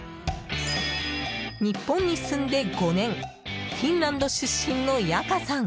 日本に住んで５年フィンランド出身のヤカさん。